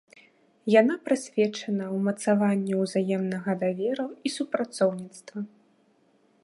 Яна прысвечана ўмацаванню ўзаемнага даверу і супрацоўніцтва.